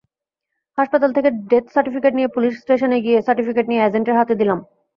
হাসপাতাল থেকে death certificate নিয়ে পুলিশ স্টেশনে গিয়ে সার্টিফিকেট নিয়ে এজেন্টের হাতে দিলাম।